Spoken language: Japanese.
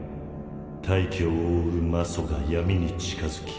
大気を覆う魔素が闇に近づき